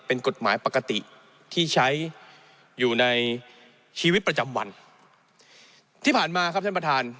เป็นกฎหมายปกติที่ใช้อยู่ในชีวิตประจำวันที่ผ่านมาครับท่านประธาน